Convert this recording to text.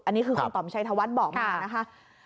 อันนี้คือคุณต่อมชัยธวัฒน์บอกมานะคะ